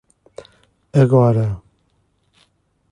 Agora